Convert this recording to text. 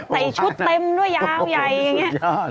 ใส่ชุดเต็มด้วยยาวใหญ่